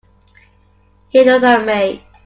He looked at me.